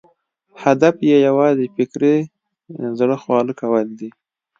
هدف یې یوازې فکري زړه خواله کول دي.